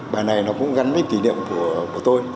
bài này nó cũng gắn với kỷ niệm của tôi